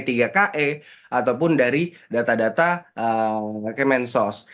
p tiga ke ataupun dari data data ke mensos